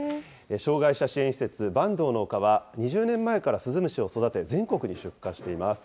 障害者支援施設、板東の丘は、２０年前からスズムシを育て、全国に出荷しています。